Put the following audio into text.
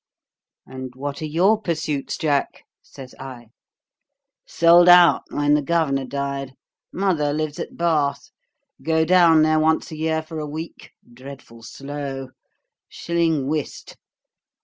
'And what are your pursuits, Jack?' says I. 'Sold out when the governor died. Mother lives at Bath. Go down there once a year for a week. Dreadful slow. Shilling whist.